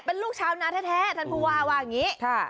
เป็นลูกชาวนาแท้ท่านผู้ว่าว่าอย่างนี้